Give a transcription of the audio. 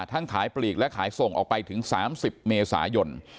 ขายปลีกและขายส่งออกไปถึง๓๐เมษายน